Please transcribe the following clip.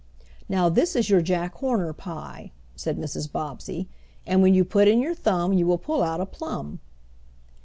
"Now this is your Jack Horner pie," said Mrs. Bobbsey, "and when you put in your thumb you will pull out a plum."